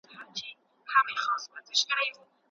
خپله لیکنه د استاد په مشوره سمه کړه.